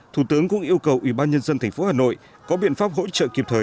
thủ tướng cũng yêu cầu ủy ban nhân dân tp hà nội có biện pháp hỗ trợ kịp thời